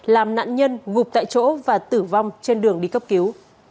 làm nạn nhân gục tại chỗ và tử vong trên đường đi cấp cứu